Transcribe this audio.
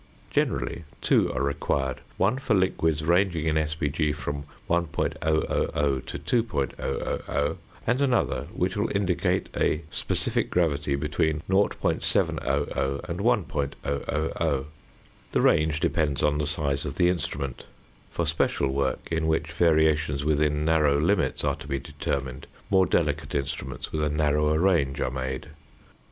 Generally two are required, one for liquids ranging in sp. g. from 1.000 to 2.000, and another, which will indicate a sp. g. between 0.700 and 1.000. The range depends on the size of the instrument. For special work, in which variations within narrow limits are to be determined, more delicate instruments with a narrower range are made.